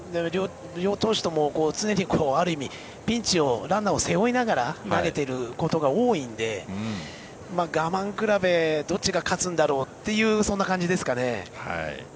両投手とも常に、ある意味ピンチを、ランナーを背負いながら投げていることが多いので我慢比べにどっちが勝つんだろうという感じですかね。